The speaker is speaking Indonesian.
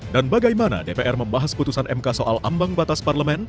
dan bagaimana dpr membahas keputusan mk soal ambang batas parlemen